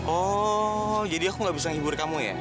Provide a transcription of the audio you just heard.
oh jadi aku gak bisa hibur kamu ya